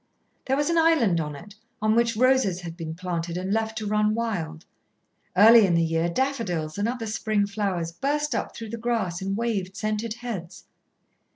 There was an island on it, on which roses had been planted and left to run wild; early in the year daffodils and other spring flowers burst up through the grass and waved scented heads.